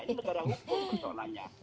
itu negara hukum persoalannya